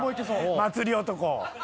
「祭り男」